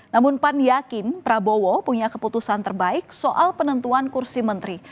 namun pan yakin prabowo punya keputusan terbaik soal penentuan kursi menteri